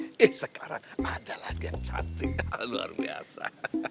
ini sekarang ada lagi yang cantik luar biasa